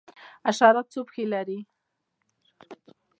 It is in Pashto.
حشرات څو پښې لري؟